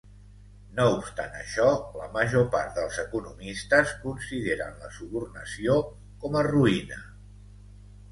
No obstant això, la major part dels economistes consideren la subornació com a roïna.